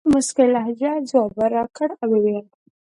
ده په موسکۍ لهجه ځواب راکړ او وویل.